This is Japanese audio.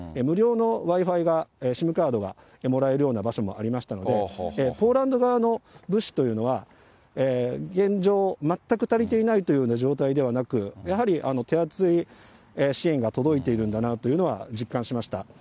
無料のＷｉ−Ｆｉが、ＳＩＭカードがもらえるような場所もありましたので、ポーランド側の物資というのは、現状、全く足りていないというような状態ではなく、やはり手厚い支援が届いているんだなというのは実感しました。